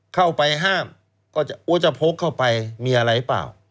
เข้าไปห้ามก็จะพกเข้าไปมีอะไรเปล่า